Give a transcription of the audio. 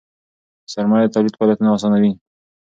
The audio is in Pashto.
سرمایه د تولید فعالیتونه آسانوي.